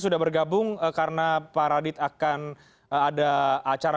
sudah bergabung karena pak radit akan ada acara